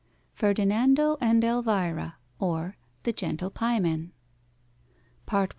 FERDINANDO AND ELVIRA OR, THE GENTLE PIEMAN PART I.